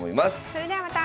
それではまた。